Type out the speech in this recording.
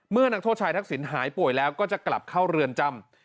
นักโทษชายทักษิณหายป่วยแล้วก็จะกลับเข้าเรือนจำ